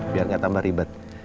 biar gak tambah ribet